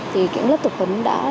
thì những lớp tập huấn đã